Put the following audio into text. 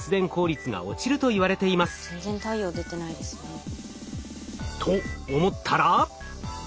全然太陽出てないですね。と思ったら。